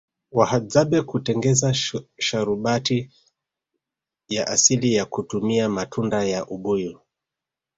wahadzabe hutengeza sharubati ya asili kwa kutumia matunda ya ubuyu